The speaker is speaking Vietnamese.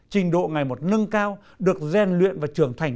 trình độ ngày một nâng cao được gian luyện và trưởng thành